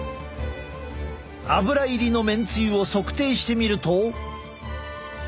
アブラ入りのめんつゆを測定してみると。